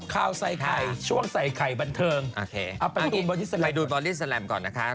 ข่าวใส่ไข่ช่วงใส่ไข่บันเทิงเอาไปดูบอดี้แลมก่อนนะคะ